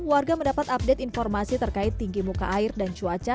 warga mendapat update informasi terkait tinggi muka air dan cuaca